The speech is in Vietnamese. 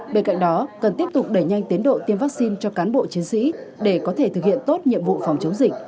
bên cạnh đó cần tiếp tục đẩy nhanh tiến độ tiêm vaccine cho cán bộ chiến sĩ để có thể thực hiện tốt nhiệm vụ phòng chống dịch